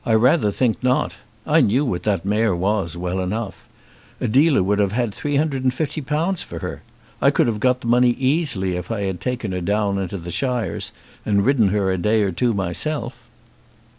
"I rather think not. I knew what that mare was, well enough. A dealer would have had three hundred and fifty pounds for her. I could have got the money easily if I had taken her down into the shires, and ridden her a day or two myself."